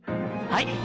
はい！